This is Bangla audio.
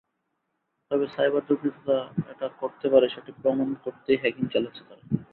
তবে সাইবার দুর্বৃত্তরা এটা করতে পারে, সেটি প্রমাণ করতেই হ্যাকিং চালাচ্ছে তারা।